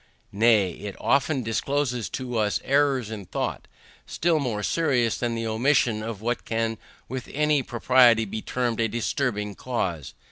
Nay, it often discloses to us errors in thought, still more serious than the omission of what can with any propriety be termed a disturbing cause.